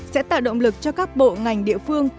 sẽ tạo động lực cho các bộ ngành địa phương